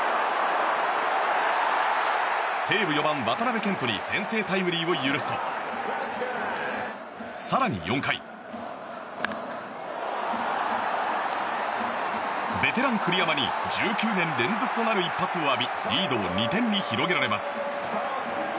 西武の４番、渡部健人に先制タイムリーを許すと更に４回ベテラン、栗山に１９年連続となる一発を浴びリードを２点に広げられます。